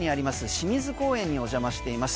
清水公園にお邪魔しています。